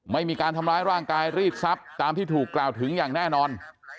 ไม่มีการทำร้ายร่างกายรีดทรัพย์ตามที่ถูกกล่าวถึงอย่างแน่นอน